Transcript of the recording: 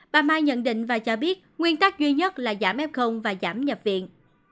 bà mai nhận định và cho biết nguyên tắc duy nhất là giảm ép không và giảm nhập viện